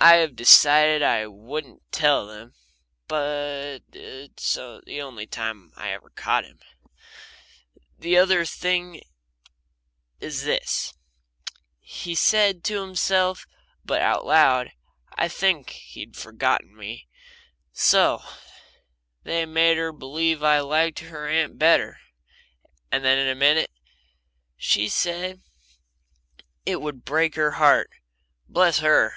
I have decided I won't tell them. It's the only time I ever caught him. The other thing is this. He said to himself but out loud I think he had forgotten me: "So they made her believe I liked her aunt better." And then, in a minute: "She said it would break her heart bless her!"